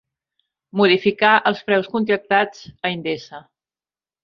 Modificar els preus contractats a Endesa.